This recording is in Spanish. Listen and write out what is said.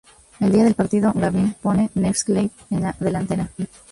El día del partido, Gavin pone Newcastle en la delantera.